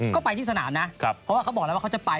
ก็ไปที่สนามนะเพราะว่าเขาบอกแล้วว่าเขาจะไป